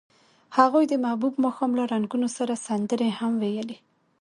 هغوی د محبوب ماښام له رنګونو سره سندرې هم ویلې.